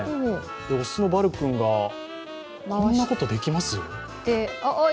雄のバルくんが、こんなこと、できます？